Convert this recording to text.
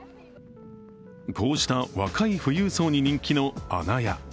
こうした、若い富裕層に人気の阿那亜。